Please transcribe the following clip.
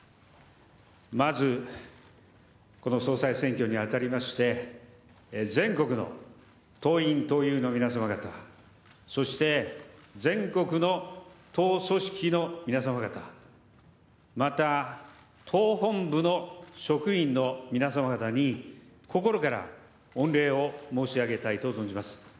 まず、この総裁選挙にあたりまして、全国の党員・党友の皆様方、そして、全国の党組織の皆様方、また党本部の職員の皆様方に、心から御礼を申し上げたいと存じます。